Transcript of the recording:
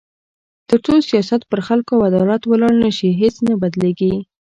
تر څو سیاست پر خلکو او عدالت ولاړ نه شي، هیڅ نه بدلېږي.